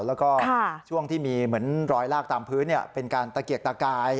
แล้วก็ช่วงที่มีเหมือนรอยลากตามพื้นเป็นการตะเกียกตะกาย